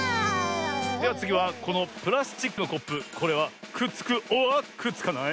ではつぎはこのプラスチックのコップこれはくっつくｏｒくっつかない？